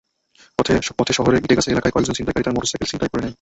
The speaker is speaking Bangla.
পথে শহরের ইটেগাছা এলাকায় কয়েকজন ছিনতাইকারী তাঁর মোটরসাইকেল ছিনতাই করে নেয়।